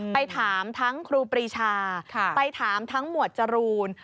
ไปถามทั้งครูปรีชาไปถามทั้งหมวดจรูน